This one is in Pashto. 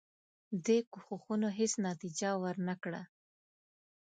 دې کوښښونو هیڅ نتیجه ورنه کړه.